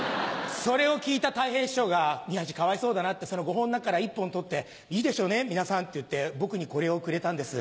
それを聞いたたい平師匠が「宮治かわいそうだな」ってその５本の中から１本を取って「いいでしょう？皆さん」って言って僕にこれをくれたんです。